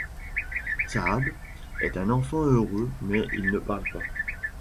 Shahaab est un enfant heureux mais il ne parle pas.